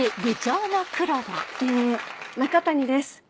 え中谷です。